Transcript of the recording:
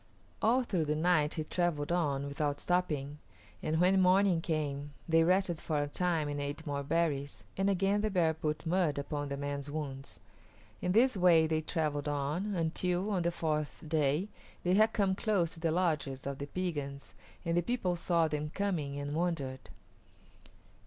All through the night he travelled on without stopping, and when morning came they rested for a time and ate more berries, and again the bear put mud upon the man's wounds. In this way they travelled on, until, on the fourth day, they had come close to the lodges of the Piegans and the people saw them coming, and wondered.